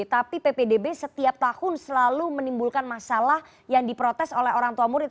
tapi ppdb setiap tahun selalu menimbulkan masalah yang diprotes oleh orang tua murid